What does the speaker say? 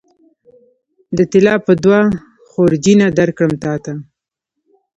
د طلا به دوه خورجینه درکړم تاته